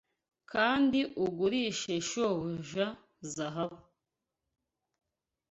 kandi ugurishe shobuja zahabu